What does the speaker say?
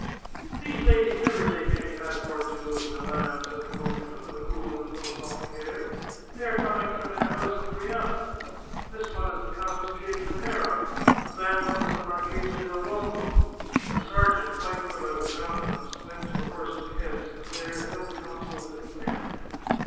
" These ladies never take any passport to go to Milan," said the coachman, with a cool and philosophic air ;" they are coming from their house at Grianta. This one is the Countess Pietranera, and that one is the Marchesa del Dongo." The sergeant, quite put out of countenance, went to the horses* heads, and there held council with his men.